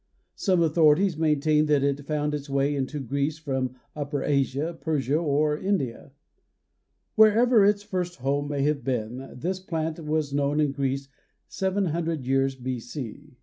Some authorities maintain that it found its way into Greece from upper Asia, Persia, or India. Wherever its first home may have been this plant was known in Greece 700 years B. C.